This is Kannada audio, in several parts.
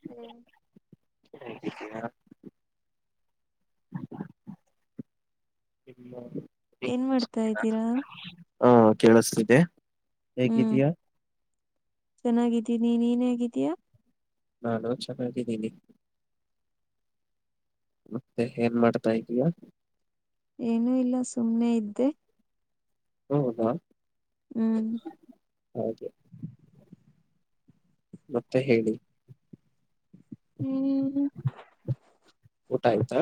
[inaudible] [inaudible] [inaudible] ಏನ್ ಮಾಡ್ತಾ ಇದ್ದೀರಾ ಹಾ ಕೇಳಿಸೀತಿದ್ದೆ. ಹ್ಮ್ ಚೆನ್ನಾಗಿದ್ದೀನಿ ನೀನ್ ಹೇಗಿದ್ದೀಯಾ. ನಾನು ಚೆನ್ನಾಗಿಯಿದಿನಿ. ಮತ್ತೆ ಏನ್ ಮಾಡ್ತಾ ಇದೀಯ. ಏನುೂ ಇಲ್ಲ ಸುಮ್ನೆ ಇದ್ದೆ. ಹ್ಮ್ ಹಾ ಹ್ಮ್ [unintelligible] ಮತ್ತೆ ಹೇಳಿ. ಹ್ಮ್ ಊಟ ಆಯ್ತಾ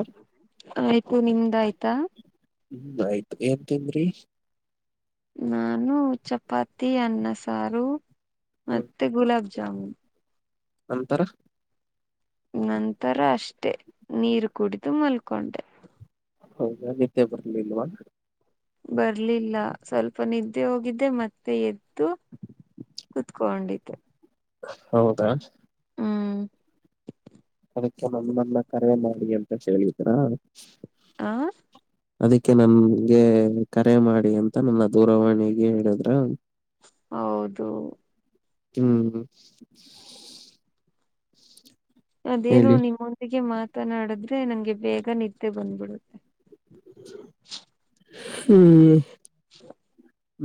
ಆಯ್ತು ನಿಮ್ದ ಆಯ್ತಾ. ಹ್ಮ್ ಆಯ್ತು ಏನ್ ತಿಂದ್ರಿ. ನಾನು ಚಪಾತಿ ಅನ್ನ ಸಾರು ಹ್ಮ್ ಮತ್ತೆ ಗುಲಾಬ್ ಜಾಮೂನ್. ನಂತರ. ನಂತರ ಅಷ್ಟೇ ನೀರು ಕುಡಿದು ಮಲ್ಕೊಂಡೆ. ನಿದ್ದೆ ಬಂದಿಲ್ವ. ಬರ್ಲಿಲ್ಲ ಸ್ವಲ್ಪ ನಿದ್ದೆ ಹೋಗಿದ್ದೆ ಮತ್ತೆ ಎದ್ದು. ಕುತ್ಕೊಂಡಿದ್ದೆ. ಹೌದಾ ಹೂ ಅದಕ್ಕೆ ನಮ್ಮನ್ನ ಕರೆವೆ ಮಾಡಿ ಅಂತ ಹೇಳಿದರಾ. ಆ ಅದಕ್ಕೆ ನನ್ಗೆ ಕರೆ ಮಾಡಿ ಅಂತ ನನ್ನ ದೂರವಾಣಿಗೆ ಹೇಳಿದ್ರ. ಹೌದು ಹ್ಮ್ ಅದೇನೋ ಹೇಳಿ ನಿಮ್ಮೊಂದಿಗೆ ಮಾತನಾಡಿದ್ರೆ ನಂಗೆ ಬೇಗ ನಿದ್ದೆ ಬಂದ್ಬಿಡುತ್ತೆ. ಹ್ಮ್ [unintelligible]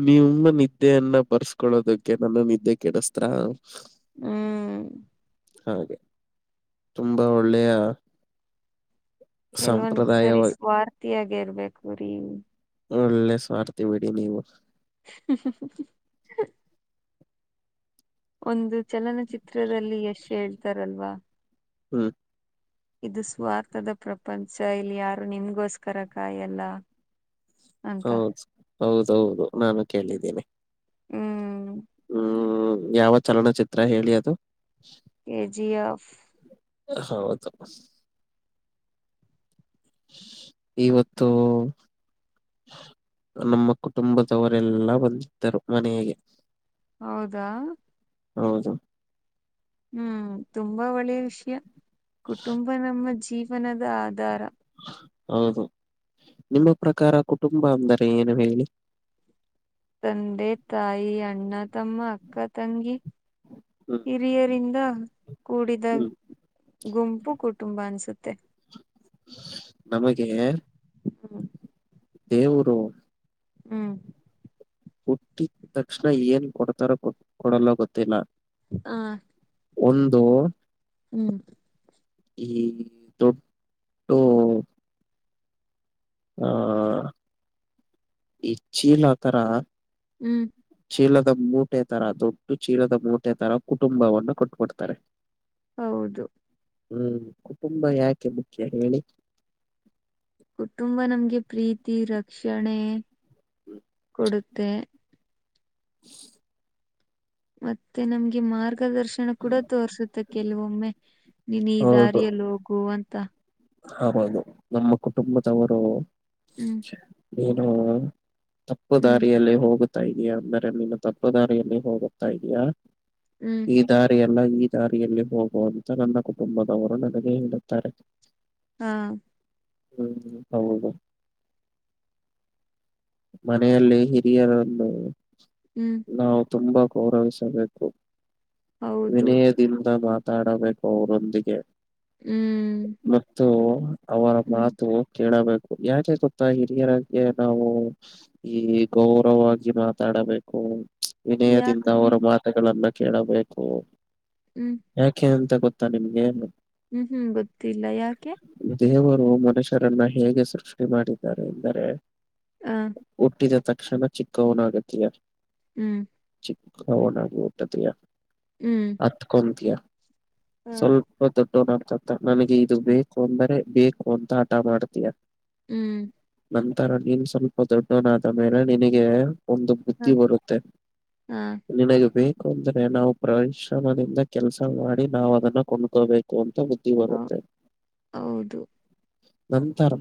ನಿಮ್ಮ ನಿದ್ದೆಯನ್ನ ಬರಸ್ಕೊಳ್ಳೋದಕ್ಕೆ ನನ್ನ ನಿದ್ದೆ ಕೆಡ್ಸಿದ್ರಾ. ಹ್ಮ್ ಹಾಗೆ ತುಂಬಾ ಒಳ್ಳೆಯ ಕೆಲವೊಂದ್ ಸಂಪ್ರದಾಯ ಸರಿ ಸ್ವಾರ್ಥಿಯಾಗ ಇರ್ಬೇಕು ರೀ. ಒಳ್ಳೆ ಸ್ವಾರ್ಥಿ ಬಿಡಿ ನೀವು. [unintelligible] ಒಂದು ಚಲನಚಿತ್ರದಲ್ಲಿ ಯಶ್ ಹೇಳ್ತಾರಲ್ವಾ. ಹೂ ಇದು ಸ್ವಾರ್ಥದ ಪ್ರಪಂಚ ಇಲ್ಲಿ ಯಾರು ನಿನಗೋಸ್ಕರ ಕಾಯಲ್ಲ ಅಂತ ಹೌದು ಹೌದೌದು ನಾನು ಕೇಳಿದೀನಿ. ಹ್ಮ್ ಹೂ ಯಾವ ಚಲನಚಿತ್ರ ಹೇಳಿ ಅದು. ಕೆ. ಜಿ. ಯಫ್ ಹೌದು ಇವತ್ತು ನಮ್ಮ ಕುಟುಂಬದವರೆಲ್ಲಾ ಬಂದಿದ್ದರು ಮನೆಗೆ. ಹೌದಾ ಹೌದು ಹ್ಮ್ ತುಂಬಾ ಒಳ್ಳೆಯ ವಿಷಯ ಕುಟುಂಬ ನಮ್ಮ ಜೀವನದ ಆಧಾರ. ಹೌದು ನಿಮ್ಮ ಪ್ರಕಾರ ಕುಟುಂಬ ಅಂದರೆ ಏನು ಹೇಳಿ. ತಂದೆ ತಾಯಿ ಅಣ್ಣ ತಮ್ಮ ಅಕ್ಕ ತಂಗಿ ಹ್ಮ್ ಹಿರಿಯರಿಂದ ಕೂಡಿದ ಹ್ಮ್ ಗುಂಪು ಕುಟುಂಬ ಅನ್ಸುತ್ತೆ. ನಮಗೇ ಹೂ ದೇವರು ಹ್ಮ್ ಹುಟ್ಟಿದ ತಕ್ಷಣ ಏನ್ ಕೊಡ್ತಾರ ಕೊ ಕೊಡಲ್ಲ ಗೊತ್ತಿಲ್ಲ. ಹಾ ಒಂದು ಹ್ಮ್ ಈ ದೊಟ್ಟು ಆಹ ಇ ಚೀಲ ತರ ಹ್ಮ್ ಚೀಲದ ಮೂಟೆ ತರ ದೊಡ್ಡಡು ಚೀಲದ ಮೂಟೆ ತರ ಕುಟುಂಬವನ್ನು ಕೊಟ್ಬಿಡ್ತಾರೆ. ಹೌದು ಹ್ಮ್ ಕುಟುಂಬ ಯಾಕೆ ಮುಖ್ಯ ಹೇಳಿ. ಕುಟುಂಬ ನಮ್ಗೆ ಪ್ರೀತಿ ರಕ್ಷಣೆ ಕೊಡುತ್ತೆ. [inaudible] ಮತ್ತೆ ನಮ್ಗೆ ಮಾರ್ಗದರ್ಶನ ಕೂಡ ತೋರ್ಸುತ್ತೆ ಕೆಲವೊಮ್ಮೆ. ನೀನ್ ಈ ಹೌದು ದಾರಿಯಲ್ಲಿ ಹೋಗು ಅಂತ. ಹೌದು ನಮ್ಮ ಕುಟುಂಬದವರು ಹ್ಮ್ ಏನೋ ತಪ್ಪು ಹ್ಮ್ ದಾರಿಯಲ್ಲಿ ಹೋಗುತ್ತ್ ತ್ತ ಇದಿಯಾ ಅಂದರೆ ನೀನು ತಪ್ಪು ದಾರಿಯಲ್ಲಿ ಹೋಗುತ್ತಾ ಇದಿಯಾ ಹ್ಮ್ ಆ ದಾರಿಯಲ್ಲ ಈ ದಾರಿಯಲ್ಲಿ ಹೋಗು ಅಂತ ನನ್ನ ಕುಟುಂಬದವರು ನನಗೆ ಹೇಳುತ್ತಾರೆ. ಹಾ ಹ್ಮ್ ಹೌದು ಮನೆಯಲ್ಲಿ ಹಿರಿಯರನ್ನು ಹ್ಮ್ ನಾವು ತುಂಬಾ ಗೌರವಿಸಬೇಕು ಹೌದು ವಿನಯ ದಿಂದ ಮಾತಾಡಬೇಕು ಅವರೊಂದಿಗೆ. ಹ್ಮ್ ಮತ್ತು ಅವರ ಹ್ಮ್ ಮಾತು ಕೇಳಬೇಕು ಯಾಕೆ ಗೊತ್ತಾ ಹಿರಿಯರಿಗೆ ನಾವು ಈ ಗೌರವವಾಗಿ ಮಾತಾಡಬೇಕು ವಿನಯದಿಂದ ಯಾಕೆ ಅವರ ಮಾತ್ ತಗಳನ್ನ ಕೇಳಬೇಕು. ಹ್ಮ್ ಯಾಕೆ ಅಂತ ಗೊತ್ತಾ ನಿಮ್ಗೆ. ಹ್ಮ್ ಹ್ಮ್ ಗೊತ್ತಿಲ್ಲ ಯಾಕೆ. ದೇವರು ಮನುಷ್ಯರನ್ನ ಹೇಗೆ ಸೃಷ್ಟಿ ಮಾಡಿದ್ದಾರೆ ಎಂದರೆ. ಹ ಹುಟ್ಟಿದ ತಕ್ಷಣ ಚಿಕ್ಕವನಾಗುತ್ತೀಯಾ. ಹ್ಮ್ ಚಿಕ್ಕವನಾಗಿ ಹುಟ್ಟುತ್ತಿಯಾ. ಹ್ಮ್ ಅತ್ಕೊಂತಿಯ ಹ ಸ್ವಲ್ಪ್ ದೊಡ್ಡೋನ್ ಆಗತ್ತ ಆಗತ್ತ ನನಗೆ ಇದು ಬೇಕು ಅಂದರೆ ಬೇಕು ಅಂತ ಆಟ ಮಾಡ್ತೀಯಾ. ಹ್ಮ್ ನಂತರ ನೀನ್ ಸ್ವಲ್ಪ ದೊಡ್ಡವನಾದ ಮೇಲೆ ನಿನಗೆ ಒಂದು ಹ ಬುದ್ಧಿ ಬರುತ್ತೆ. ಹಾ ನಿನಗೆ ಬೇಕು ಅಂದ್ರೆ ನಾವು ಪರಿಶ್ರಮದಿಂದ ಕೆಲಸ ಮಾಡಿ ನಾವು ಅದನ್ನ ಕೊಂಡ್ಕೋಬೇಕು ಅಂತ ಗೊ ಬುದ್ಧಿ ಬರುತ್ತೆ ಹೌದು ನಂತರ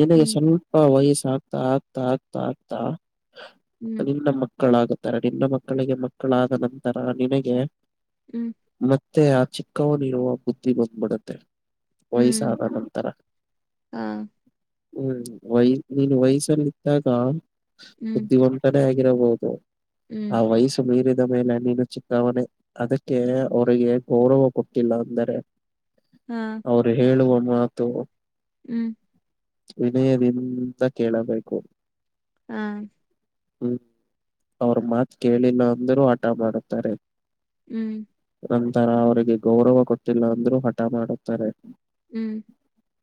ನಿನಗೆ ಹ್ಮ್ ಸ್ವಲ್ಪ್ ಪ್ಪಾ ವಯಸ್ಸು ಆಗತಾ ಆಗತಾ ಆಗತಾ ಆಗತಾ ಅದು ಹ್ಮ್ ನಿನ್ನ ಮಕ್ಕಳಾಗುತ್ತೆ. ನಂತರ ನಿನ್ನ ಮಕ್ಕಳಿಗೆ ಮಕ್ಕಳಾದ ನಂತರ ನಿನಗೆ ಹ್ಮ್ ಮತ್ತೆ ಆ ಚಿಕ್ಕವನ ಇರುವ ಬುದ್ಧಿ ಬಂದ್ಬಡುತ್ತೆ. ಹ್ಮ್ ವಯಸ್ಸಾದ ನಂತರ ಹಾ ಹ್ಮ್ ವಯ್ ನೀನು ವಯಸ್ಸಲ್ಲಿದ್ದಾಗ ಹ್ಮ್ ಬುದ್ದಿವಂತ್ ತ ಆಗಿರಬಹುದು ಹ್ಮ್ ಆ ವಯಸ್ಸು ಮೀರಿದ ಮೇಲೆ ನೀನು ಚಿಕ್ಕಾವನೇ‌. ಅದಕ್ಕೆ ಅವರಿಗೆ ಗೌರವ ಕೊಟ್ಟಿಲ್ಲ ಅಂದರೆ. ಹಾ ಅವರು ಹೇಳುವ ಮಾತು. ಹ್ಮ್ ವಿನಯದಿಂದ ಕೇಳಬೇಕು. ಹಾ ಹ್ಮ್ ಅವ್ರ ಮಾತ್ ಕೇಳಿಲ್ಲ ಅಂದರು ಹಠ ಮಾಡುತ್ತಾರೆ. ಹ್ಮ್ ನಂತರ ಅವರಿಗೆ ಗೌರವ ಕೊಟ್ಟಿಲ್ಲ ಅಂದ್ರರು ಹಠ ಮಾಡುತ್ತಾರೆ. ಹ್ಮ್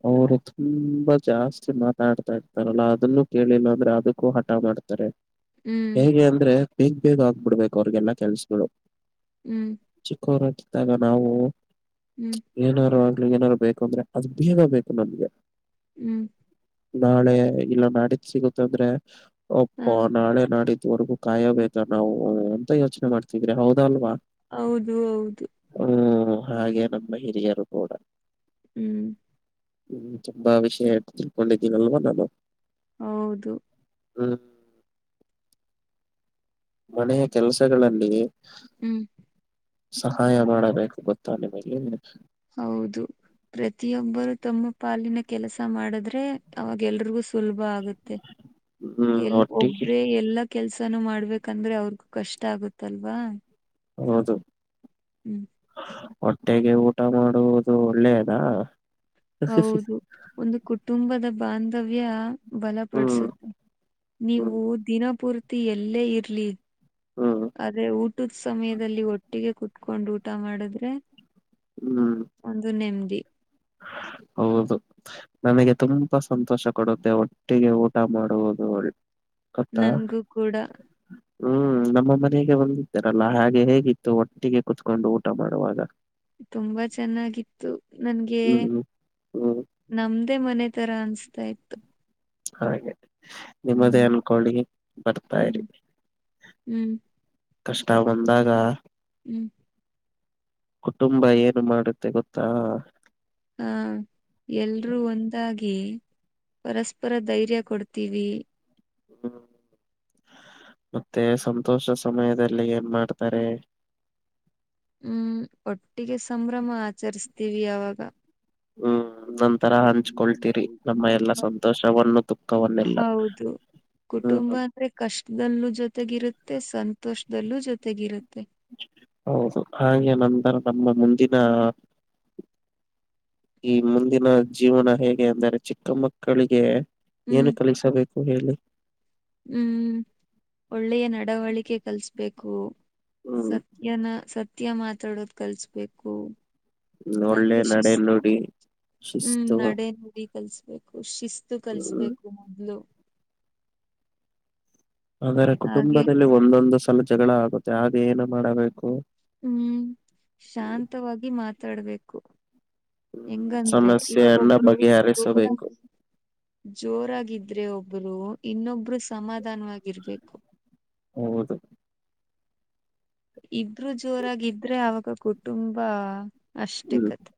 ಅವರು. ತುಂಬಾ ಜಾಸ್ತಿ ಮಾತಾಡ್ತಾ ಇರ್ತಾರಲ್ಲ ಅದನ್ನುೂ ಕೇಳಿಲ್ಲ ಅಂದ್ರೆ ಅದಕ್ಕೂ ಹಠ ಮಾಡ್ತಾರೆ. ಹ್ಮ್ ಹೇಗೆ ಅಂದ್ರೆ ಬೇಗ ಬೇಗ ಆಗ್ಬಿಡ್ಬೇಕು ಅವ್ರಿಗೆಲ್ಲ ಕೆಲ್ಸಗಳು. ಹ್ಮ್ ಚಿಕ್ಕವರಾಗಿದ್ದಾಗ ನಾವು. ಹ್ಮ್ ಏನಾದಾರು ಆಗ್ಲಿ ಏನಾರು ಬೇಕು ಅಂದ್ರೆ ಅದು ಬೇಗ ಬೇಕು ನನ್ಗೆ. ಹ್ಮ್ ನಾಳೆ ಇಲ್ಲ ನಾಡಿದ್ದ್ ಸಿಗುತ್ತ ಅಂದ್ರೆ ಹ ಯಪ್ಪೋ ನಾಳೆ ನಾಡಿದವರೆಗೂ. ಕಾಯಬೇಕಾ ನಾವು ಎಂತ ಯೋಚನೆ ಮಾಡ್ತಿದ್ರಿ ಹೌದ ಅಲ್ವಾ. ಹೌದು ಹೌದು. ಹ್ಮ ಹಾಗೆ ನಮ್ಮ ಹಿರಿಯರು ಕೂಡ. ಹ್ಮ್ ಹ್ಮ್ ತುಂಬಾ ವಿಷಯ ತಿಳ್ಕೊಂಡಿದ್ದೀನಲ್ವಾ ನಾನು. ಹೌದು ಹ್ಮ್ ಮನೆಯ ಕೆಲಸಗಳಲ್ಲಿ. ಹ್ಮ್ ಸಹಾಯ ಮಾಡಬೇಕು ಗೊತ್ತಾ ನಿಮಗೆ. ಹೌದು ಪ್ರತಿಯೊಬ್ಬರು ತಮ್ಮ ಪಾಲಿನ ಕೆಲಸ ಮಾಡಿದ್ರೆ ಅವಾಗ ಎಲ್ರಿಗೂ ಸುಲಭ ಆಗುತ್ತೆ. ಹ್ಮ್ ಎಲ್ಲ ಒಟ್ಟಿಗೆ ಒಬ್ರೆ ಎಲ್ಲ. ಕೆಲ್ಸನ ಮಾಡ್ಬೇಕಂದ್ರೆ ಅವ್ರಗೂ ಕಷ್ಟ ಆಗುತ್ತಲ್ವಾ. ಹೌದು ಹ್ಞೂ ಹೊಟ್ಟೆಗೆ ಊಟ ಮಾಡುವುದು ಒಳ್ಳೆದಾ. ಹೌದು ಒಂದು ಕುಟುಂಬದ ಬಾಂಧವ್ಯ. ಹ್ಮ್ ಬಲಪಡ್ಸುತ್ತೆ ನೀವು ಹ್ಮ್ ದಿನಪೂರ್ತಿ ಎಲ್ಲೇ ಇರ್ಲಿ. ಹ್ಮ್ ಅದೇ ಊಟದ ಸಮಯದಲ್ಲಿ ಒಟ್ಟಿಗೆ ಕುೂತ್ಕೊಂಡು ಊಟ ಮಾಡಿದ್ರೆ. ಹ್ಮ್ ಒಂದು ನೆಮ್ಮದಿ. ಹೌದು ನನಗೆ ತುಂಬಾ ಸಂತೋಷ ಕೊಡುತ್ತೆ ಒಟ್ಟಿಗೆ ಊಟ ಮಾಡುವುದು. ಗೊತ್ತಾ. ನನ್ಗೂ ಕೂಡ ಹ್ಮ್ ನಮ್ಮ ಮನೆಗೆ ಬಂದಿದ್ದಾರಲ್ಲ ಹಾಗೆ ಹೇಗಿತ್ತು ಒಟ್ಟಿಗೆ ಕುತ್ಕೊಂಡು ಊಟ ಮಾಡುವಾಗ ತುಂಬಾ ಚೆನ್ನಾಗಿತ್ತು ನನ್ಗೆ ಹ್ಮ್ ಹ್ಮ್ ನಮ್ದೇ ಮನೆ ತರ ಅನ್ಸ್ತಾ ಇತ್ತು. ಹಾಗೆ ನಿಮ್ಮದೇ ಹ್ಮ್ ಅನ್ಕೊಳ್ಳಿ ಬರ್ತಾ ಹ್ಮ್ ಇರಿ. ಹ್ಮ್ ಕಷ್ಟ ಬಂದಾಗ ಹ್ಮ್ ಕುಟುಂಬ ಏನು ಮಾಡುತ್ತೆ ಗೊತ್ತಾ. ಹಾ ಎಲ್ರೂ ಒಂದಾಗಿ ಪರಸ್ಪರ ಧೈರ್ಯ ಕೊಡ್ತೀವಿ. ಹ್ಮ್ ಮತ್ತೆ ಸಂತೋಷ ಸಮಯದಲ್ಲಿ ಏನ್ ಮಾಡ್ತಾರೆ. ಹ್ಮ್ ಒಟ್ಟಿಗೆ ಸಂಭ್ರಮ ಆಚರಿಸ್ತೀವಿ ಅವಾಗ. ಹ್ಮ್ ನಂತರ ಹಂಚ್ಕೊಳ್ತೀರಿ ನಮ್ಮ ಎಲ್ಲಾ ಸಂತೋಷವವನ್ನು ದುಃಖವನ್ನೆಲ್ಲಾ. ಹೌದು ಕುಟುಂಬ ಅಂದ್ರೆ ಕಷ್ಟದಲ್ಲೂ ಜೊತೆಗಿರುತ್ತೆ ಸಂತೋಷದಲ್ಲೂ ಜೊತೆಗಿರುತ್ತೆ. ಹೌದು ಹಾಗೆ ನಂತರ ನಮ್ಮ ಮುಂದಿನ ಈ ಮುಂದಿನ ಜೀವನ ಹೇಗೆ ಅಂದರೆ ಚಿಕ್ಕ ಮಕ್ಕಳಿಗೆ. ಏನು ಹ್ಮ್ ಕಲಿಸಬೇಕು ಹೇಳು. ಹ್ಮ್ ಒಳ್ಳೆಯ ನಡವಳಿಕೆ ಕಲ್ಸ್ಬೇಕು. ಹ್ಮ್ ಸತ್ಯನ ಸತ್ಯ ಮಾತಾಡೋದು ಕಲ್ಸ್ಬೇಕು. ಒಳ್ಳೆ ಮತ್ತೆ ನಡೆ ಶಿಫ್ಟ್ ನುಡಿ ಹ್ಮ್ ಶಿಸ್ತು ನಡೆ ನಡಿ. ಕಲಸಬೇಕು ಶಿಸ್ತು ಹ್ಮ್ ಕಳಿಸಬೇಕು ಮೊದಲು. ಆದರೆ ಹಾಗೆ ಕುಟುಂಬದಲ್ಲಿ ಒಂದೊಂದು ಸಲ ಜಗಳ ಆಗುತ್ತೆ ಹಾಗ ಏನು ಮಾಡಬೇಕು. ಹ್ಮ್ ಶಾಂತವಾಗಿ ಮಾತಾಡ್ಬೇಕು. ಹ್ಮ್ ಹೆಂಗಂದ್ರೆ ಇವಾಗ ಸಮಸ್ಯೆಯನ್ನ ಒಬ್ರು ಬಗೆಹರಿಸಬೇಕು ಜೋರಾಗಿದ್ರೆ ಒಬ್ರು ಇನ್ನೊಬ್ರು ಸಮಾಧಾನವಾಗಿರ್ಬೇಕು. ಹೌದು ಇದ್ರರು ಜೋರಾಗಿದ್ರೆ ಅವಾಗ ಕುಟುಂಬ ಅಷ್ಟೆ ಹ್ಮ್ ಕತೆ.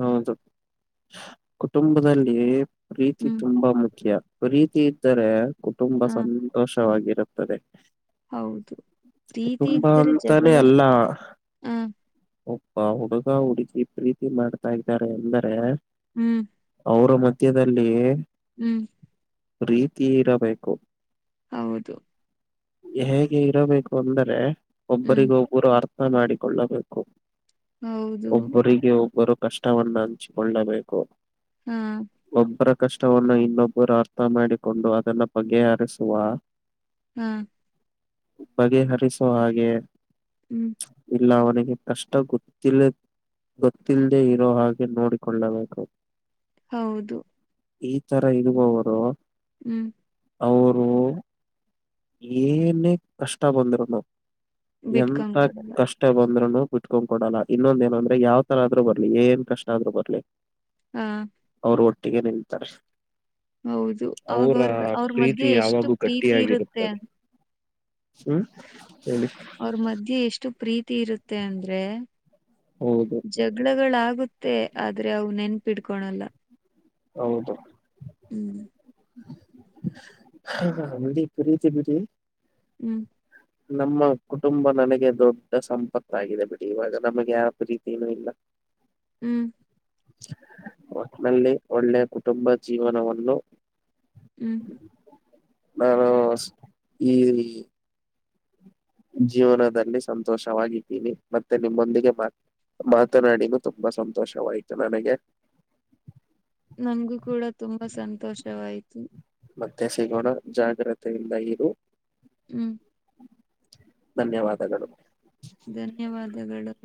ಹೌದು ಕುಟುಂಬದಲ್ಲಿ ಪ್ರೀತಿ ಹ್ಮ್ ತುಂಬಾ ಮುಖ್ಯ. ಪ್ರೀತಿ ಇದ್ದರೆ ಕುಟುಂಬ ಹ ಸಂತೋಷವಾಗಿರುತ್ತದೆ. ಹೌದು ಪ್ರೀತಿ ಕುಟುಂಬ ಇದ್ದರೆ ಅಂತಾನೇ ಜಗಳ ಅಲ್ಲ. ಹ ಒಪ್ಪ ಹುಡುಗ ಹುಡುಗಿ ಪ್ರೀತಿ ಮಾಡ್ತಾ ಇದ್ದಾರೆ ಎಂದರೆ. ಹೂ ಅವರ ಮಧ್ಯದಲ್ಲಿ. ಹ್ಮ್ ಪ್ರೀತಿ ಇರಬೇಕು. ಹೌದು ಹೇಗೆ ಇರಬೇಕು ಅಂದ್ರೆ ಹ್ಮ್ ಒಬ್ಬರಿಗ ಹೂಂ ಒಬ್ರು ಅರ್ಥ ಮಾಡಿಕೊಳ್ಳಬೇಕು ಹೌದು ಒಬ್ಬರಿ ಪ್ರತಿಯೊಬ್ಬರು ಕಷ್ಟವನ್ನು ಹಂಚಿಕೊಳ್ಳಬೇಕು. ಹಾ ಒಬ್ಬರ ಕಷ್ಟವನ್ನು ಇನ್ನೊಬ್ಬರು ಅರ್ಥ ಮಾಡಿಕೊಂಡು ಅದನ್ನ ಬಗೆಹರಿಸುವ ಹಾ ಬಗೆಹರಿಸೋ ಹಾಗೆ. ಹೂ ಇಲ್ಲ ಅವನಿಗೆ ಕಷ್ಟ ಗೊತ್ತಿಲ್ಲಾ ಗೊತ್ತಿಲ್ಲದೇ ಇರೋ ಹಾಗೆ ನೋಡಿಕೊಳ್ಳಬೇಕು. ಹೌದು, ಈ ತರ ಇರುವವರು ಹ್ಮ್, ಅವರು ಏನೇ ಕಷ್ಟ ಬಂದರು ಎಂತ ಬಿಟ್ಕೊಂಡ್ ಕಷ್ಟ ಕೊಡಲ್ಲ ಕಷ್ಟ ಬಂದ್ರುನು ಬಿಟ್ಕೊಂಡ್ ಕೊಡಲ್ಲ ಇನ್ನೊಂದಏನ ಅಂದ್ರೆ ಯಾವ ತರ ಆದ್ರು ಬರ್ಲಿ ಏನ್ ಕಷ್ಟ ಆದ್ರು ಬರ್ಲಿ. ಹಾ, ಅವರು ಒಟ್ಟಿಗೆ ನಿಲ್ಲುತ್ತಾರೆ. ಹೌದು ಅವಾಗ ಅವರ ಅವ್ರ ಅವ್ರ ಮಧ್ಯೆ ಪ್ರೀತಿ ಎಷ್ಟು ಯಾವಾಗೂ ಪ್ರೀತಿ ಇರುತ್ತೆ ಗಟ್ಟಿಯಾಗಿರುತ್ತದೆ. ಅನ್- ಹ್ಮ್ ಹೇಳಿ [inaudible] ಅವ್ರ ಮಧ್ಯೆ ಎಷ್ಟು ಪ್ರೀತಿ ಇರುತ್ತೆ ಅಂದ್ರೆ ಹೌದು ಜಗಳಗಳಾಗುತ್ತ ತ್ತೆ ಆದ್ರೆ ಅವು ನೆನ್ಪಿಟ್ಕೊಳಲ್ಲ. ಹೌದು, ಹ್ಮ್, ಹ ಬಿಡಿ ಪ್ರೀತಿ ಬಿಡಿ [unintelligible] ಹ್ಮ್, ನಮ್ಮ ಕುಟುಂಬ ನನಗೆ ದೊಡ್ಡ ಸಂಪತ್ತಾಗಿದೆ. ಬಿಡಿ ಇವಾಗ ನಮಗೆ ಯಾವ ಪ್ರೀತನೂ ಇಲ್ಲ ಹ್ಮ್, ಒಟ್ಟನಲ್ಲಿ ಒಳ್ಳೆ ಕುಟುಂಬ ಜೀವನವನ್ನು ಹ್ಮ್, ನಾನು ಈ [unintelligible] ಜೀವನದಲ್ಲಿ ಸಂತೋಷವಾಗಿದ್ದೀನಿ ಮತ್ತೆ ನಿಮ್ಮೊಂದಿಗೆ ಮಾತನಾಡಿನು ತುಂಬಾ ಸಂತೋಷವಾಯ್ತು ನನಗೆ. ನಮ್ಗೂ ಕೂಡ ತುಂಬಾ ಸಂತೋಷವಾಯ್ತು. ಮತ್ತೆ ಸಿಗೋಣ ಜಾಗ್ರತೆ ಇಂದ ಇರಿ. ಹ್ಮ್, ಧನ್ಯವಾದಗಳು. ಧನ್ಯವಾದಗಳು.